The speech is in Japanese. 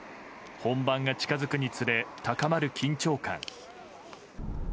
本番が近づくにつれ高まる緊張感。